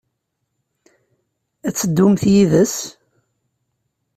Ad teddumt yid-s?